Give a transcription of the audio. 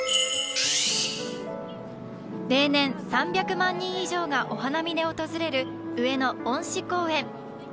例年、３００万人以上がお花見で訪れる上野恩賜公園。